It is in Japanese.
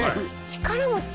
力持ち。